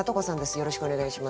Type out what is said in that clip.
よろしくお願いします。